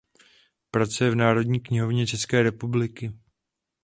Pracuje v Národní knihovně České republiky.